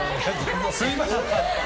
すみません。